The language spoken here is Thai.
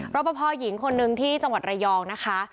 รอปภหญิงคนนึงที่จังหวัดระยองนะคะ